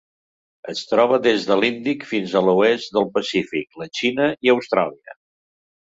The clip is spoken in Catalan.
Es troba des de l'Índic fins a l'oest del Pacífic, la Xina i Austràlia.